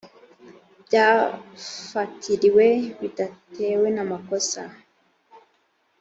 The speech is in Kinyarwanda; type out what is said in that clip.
byafatiriwe bidatewe n amakosa